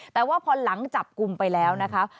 แต่ว่าพอหลังจับกลุ่มไปแล้วนะคะ